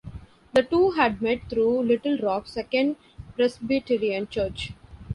The two had met through Little Rock's Second Presbyterian Church.